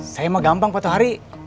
saya mau gampang pak tuhari